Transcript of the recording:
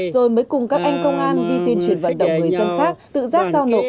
rồi mới cùng các anh công an đi tuyên truyền vận động người dân khác tự rác giao nổ